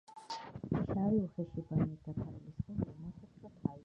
შავი, უხეში ბალნით დაფარული სხეული, მოთეთრო თავი და ყელი.